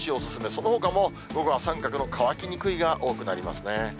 そのほかも、午後は△の乾きにくいが多くなりますね。